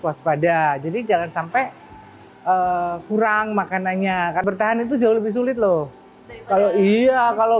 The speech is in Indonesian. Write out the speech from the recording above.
waspada jadi jangan sampai kurang makanannya akan bertahan itu jauh lebih sulit loh kalau iya kalau